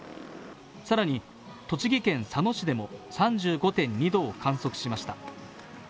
更に栃木県佐野市でも３５．２度を観測しました。